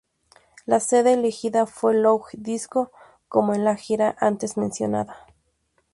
La sede elegida fue Low Disco, como en la gira antes mencionada.